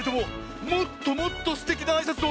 もっともっとすてきなあいさつをしていこうバン！